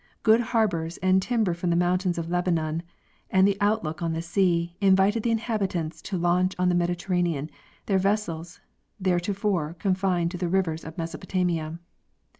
Good harbors and timber from the mountains of Lebanon and the outlook on the sea invited the inhabitants to launch on the Mediterranean their vessels thereto fore confined to the rivers of Mesopotamia.